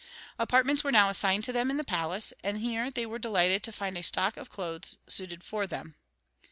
Apartments were now assigned to them in the palace, and here they were delighted to find a stock of clothes suited for them.